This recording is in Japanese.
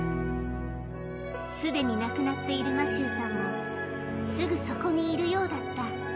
すでに亡くなっているマシューさんもすぐそこにいるようだった。